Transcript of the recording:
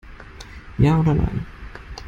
Ja oder nein?